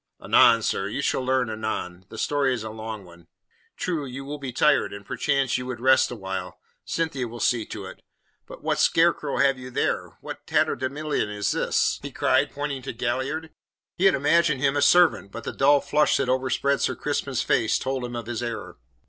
"Anon, sir; you shall learn anon. The story is a long one." "True; you will be tired, and perchance you would first rest a while. Cynthia will see to it. But what scarecrow have you there? What tatterdemalion is this?" he cried, pointing to Galliard. He had imagined him a servant, but the dull flush that overspread Sir Crispin's face told him of his error.